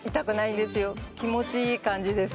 気持ちいい感じです